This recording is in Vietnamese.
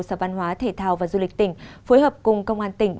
sở văn hóa thể thao và du lịch tỉnh phối hợp cùng công an tỉnh